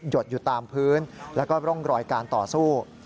ดอยู่ตามพื้นแล้วก็ร่องรอยการต่อสู้